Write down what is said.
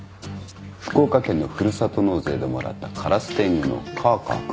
福岡県のふるさと納税でもらったからす天狗のカーカー君。